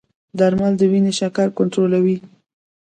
درمل د وینې شکر کنټرولوي.